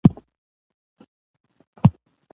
کندهار د افغانانو د ګټورتیا او ثمر یوه لویه برخه ده.